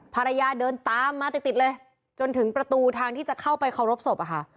ภรรยาเดินตามมาติดเลยจนถึงประตูทางที่จะเข้าไปเข้ารบศพ